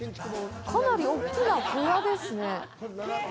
かなり大きな小屋ですね。